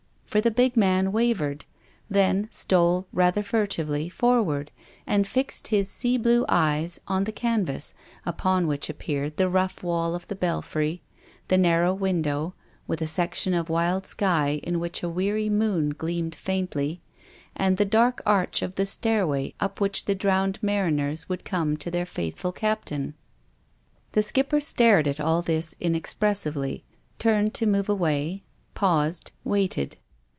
For the big man wavered, then stole rather fur tively forward, and fixed his sea blue eyes on the canvas, upon which appeared the rough wall of the belfry, the narrow window, with a section of wild sky in which a weary moon gleamed faintly, and the dark arch of the stairway up which the drowned mariners would come to their faithful captain. The Skipper stared at all this inexpres sively, turned to move away, paused, waited.